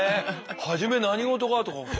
初め何事かとかねえ